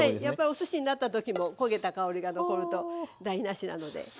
やっぱりおすしになった時も焦げた香りが残ると台なしなので。